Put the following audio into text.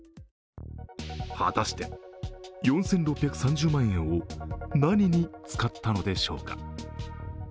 果たして４６３０万円を何に使ったのでしょうか。